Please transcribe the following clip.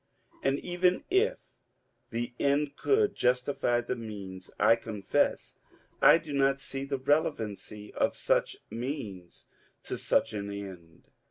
And even if the end could justify the means, I confess, I do not see the relevancy of such means to such an end.